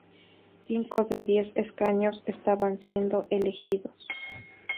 Cinco de diez escaños estaban siendo elegidos.